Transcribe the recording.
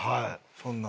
そんな。